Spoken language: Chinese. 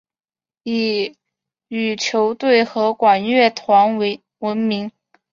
以羽球队和管乐团闻名。